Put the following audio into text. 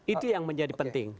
itu yang menjadi penting